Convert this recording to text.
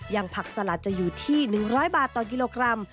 ผักสลัดจะอยู่ที่๑๐๐บาทต่อกิโลกรัม